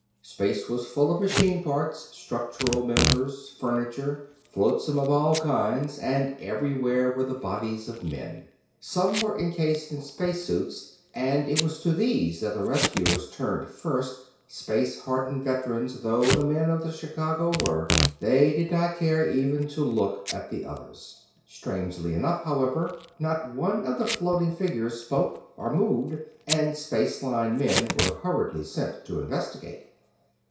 Space was full of machine parts, structural members, furniture, flotsam of all kinds; and everywhere were the bodies of men. Some were encased in space suits, and it was to these that the rescuers turned first space hardened veterans though the men of the Chicago were, they did not care even to look at the others. Strangely enough, however, not one of the floating figures spoke or moved, and space line men were hurriedly sent out to investigate.